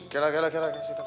kirap kirap kirap